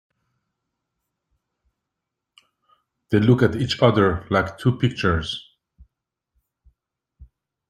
They look at each other, like two pictures.